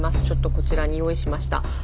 ちょっとこちらに用意しました。